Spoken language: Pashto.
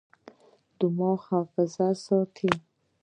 دماغ حافظه ساتي.